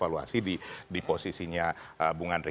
kalau kita mengevaluasi di posisinya bung andre